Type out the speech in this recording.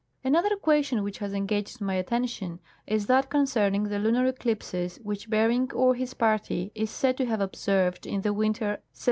Another question which has engaged my attention is that con cerning the lunar eclipses Avhich Bering or his party is said to have observed in the winter 1728 '9.